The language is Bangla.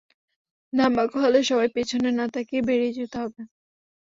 ধামাকা হলে সবাইকে পেছনে না তাকিয়ে বেরিয়ে যেতে হবে।